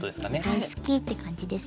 大好きっていう感じですね。